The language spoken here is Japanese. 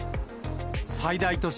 最大都市